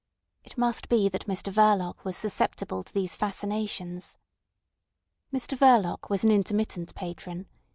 It must be that Mr Verloc was susceptible to these fascinations. Mr Verloc was an intermittent patron.